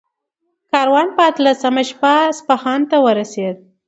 کاروان په اتلسمه شپه اصفهان ته ورسېد.